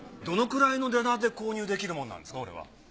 どのくらいの値段で購入できるものなんですかこれは？